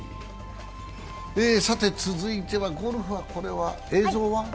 続いてはゴルフは、映像は？